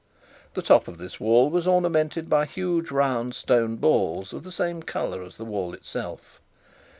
The top of this wall was ornamented by huge round stone balls of the same colour as the wall itself.